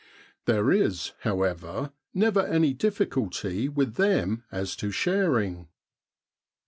There is, however, never any difficulty with them as to sharing.